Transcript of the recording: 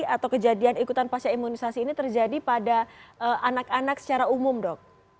atau kejadian ikutan pasca imunisasi ini terjadi pada anak anak secara umum dok